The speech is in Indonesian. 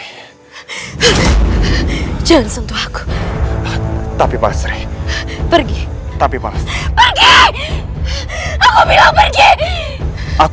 hai jangan sentuh aku tapi balesri pergi tapi balesri pergi aku bilang pergi aku